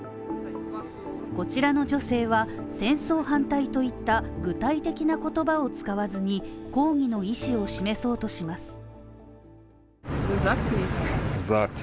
こちらの女性は、戦争反対といった具体的な言葉を使わずに抗議の意思を示そうとします。